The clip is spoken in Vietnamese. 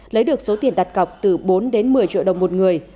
lấy được số tiền đặt cọc từ bốn đến một mươi triệu đồng một người